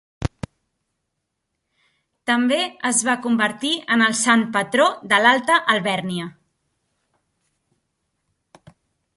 També es va convertir en el sant patró de l'Alta Alvèrnia.